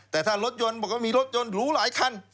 แต่ถ้ารถยนต์บอกว่ามีรถยนต์หรูหลายคัน